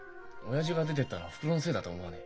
親父が出てったのおふくろのせいだと思うね！